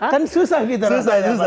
kan susah gitu rasanya